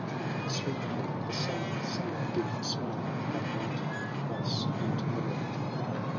And sweetly the sommer son did imile On mountain, moss, and moor.